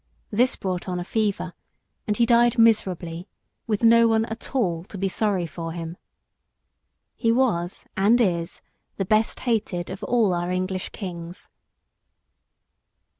This brought on a fever, and he died miserably, with no one at all to be sorry for him. [Sidenote: A.D. 1216.] He was and is the best hated of all our English kings.